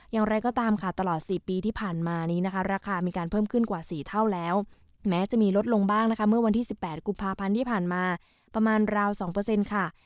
อย่างไรก็ตามค่ะตลอด๔ปีที่ผ่านมานี้นะคะราคามีการเพิ่มขึ้นกว่า๔เท่าแล้วแม้จะมีลดลงบ้างนะคะเมื่อวันที่๑๘กุมภาพันธ์ที่ผ่านมาประมาณราว๒ค่ะ